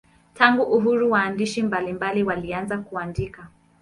Tangu uhuru waandishi mbalimbali walianza kuandika.